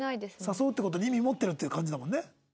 誘うっていう事に意味持ってるっていう感じだもんね。